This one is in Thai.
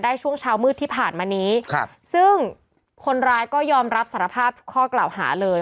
ช่วงเช้ามืดที่ผ่านมานี้ครับซึ่งคนร้ายก็ยอมรับสารภาพทุกข้อกล่าวหาเลย